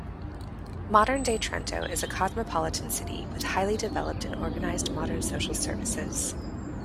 Modern-day Trento is a cosmopolitan city, with highly developed and organized modern social services.